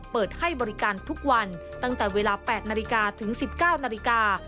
เปิดให้บริการทุกวันตั้งแต่เวลา๘นาฬิกาถึง๑๙นาฬิกา